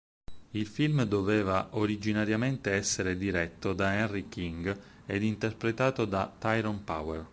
Il film doveva originariamente essere diretto da Henry King ed interpretato da Tyrone Power.